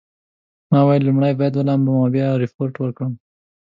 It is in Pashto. ما وویل لومړی باید ولامبم او بیا ریپورټ ورکړم.